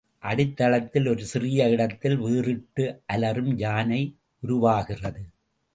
அடித்தளத்தில் ஒரு சிறிய இடத்தில் வீறிட்டு அலறும் யானை உருவாகிறது.